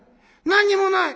「何にもない！